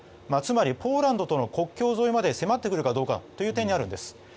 つまり、ポーランドとの国境沿いまで迫ってくるかという点にあるんです。